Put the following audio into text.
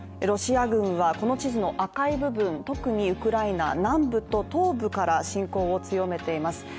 ロシア軍はこの地図の赤い部分特にウクライナ南部と東部から侵攻を強めています。